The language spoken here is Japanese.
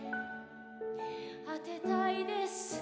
当てたいです」